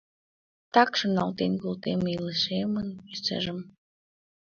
Так шоналтен колтем илышемын йӧсыжым